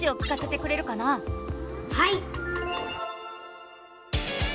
はい！